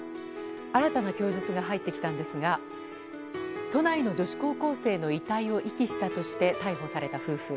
新たな供述が入ってきたんですが都内の女子高校生の遺体を遺棄したとして逮捕された夫婦。